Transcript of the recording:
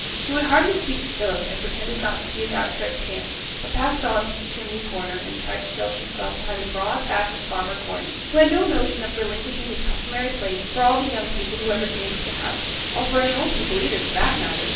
She would hardly speak to Philip, and pretended not to see his outstretched hand, but passed on to the chimney corner, and tried to shelter herself behind the broad back of farmer Corney, who had no notion of relinquishing his customary place for all the young people who ever came to the house, or for any old people either, for that matter.